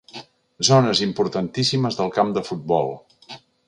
Zones importantíssimes del camp de futbol.